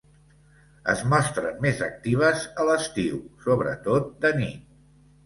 Es mostren més actives a l'estiu, sobretot de nit.